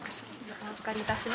お預かりいたします。